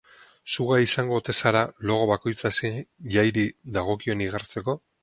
Zu gai izango ote zara logo bakoitza zein jairi dagokion igartzeko?